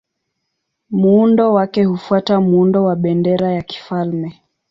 Muundo wake hufuata muundo wa bendera ya kifalme.